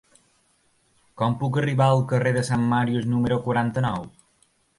Com puc arribar al carrer de Sant Màrius número quaranta-nou?